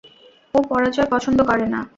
ও পরাজয় পছন্দ করে না!